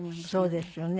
そうですよね。